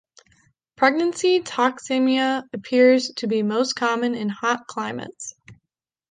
Pregnancy toxemia appears to be most common in hot climates.